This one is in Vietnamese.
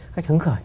khách hứng khởi